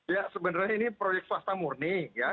ya sebenarnya ini proyek swasta murni ya